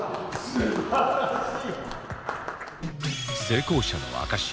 成功者の証し